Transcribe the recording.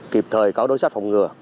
kịp thời có đối sát phòng ngừa